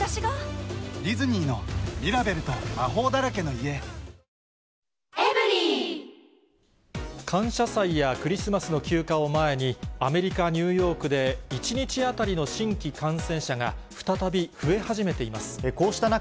車は歩道を走ったあと、感謝祭やクリスマスの休暇を前に、アメリカ・ニューヨークで１日当たりの新規感染者が再び増え始めこうした中、